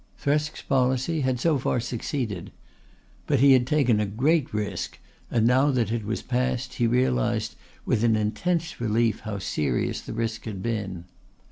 Thresk's policy had so far succeeded. But he had taken a great risk and now that it was past he realised with an intense relief how serious the risk had been.